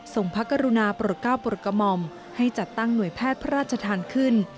ส่งพระกรุณาปรกเก้าปรกมมให้จัดตั้งหน่วยแพทย์พระราชธรรมขึ้น